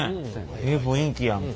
ええ雰囲気やんか。